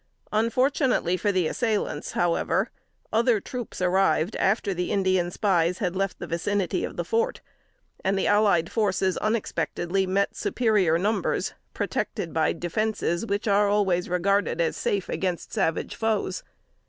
Unfortunately for the assailants, however, other troops arrived after the Indian spies had left the vicinity of the fort, and the allied forces unexpectedly met superior numbers protected by defenses which are always regarded as safe against savage foes.